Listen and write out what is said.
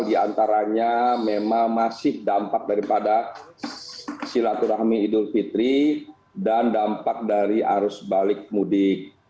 di antaranya memang masih dampak daripada silaturahmi idul fitri dan dampak dari arus balik mudik